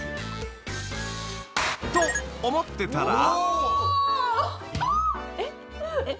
［と思ってたら］